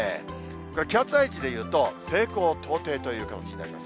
気圧配置でいうと西高東低という形になります。